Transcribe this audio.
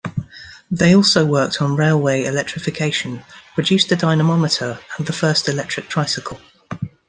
They also worked on railway electrification, produced a dynamometer and the first electric tricycle.